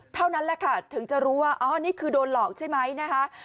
เท่านั้นแหละค่ะถึงจะรู้ว่าอ๋อนี่คือโดนหลอกใช่ไหมนะคะ